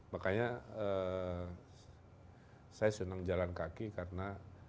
makanya saya senang jalan kaki karena